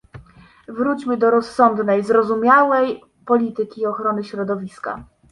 Wróćmy do rozsądnej, zrozumiałej polityki ochrony środowiska